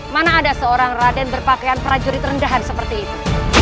mana ada seorang raden berpakaian prajurit rendahan seperti itu